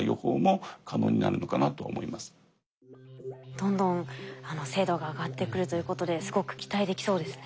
どんどん精度が上がってくるということですごく期待できそうですね。